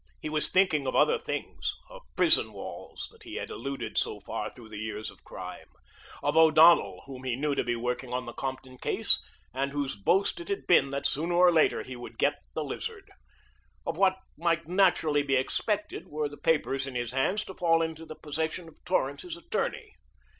He was thinking of other things: of prison walls that he had eluded so far through years of crime; of O'Donnell, whom he knew to be working on the Compton case and whose boast it had been that sooner or later he would get the Lizard; of what might naturally be expected were the papers in his hands to fall into the possession of Torrance's attorney.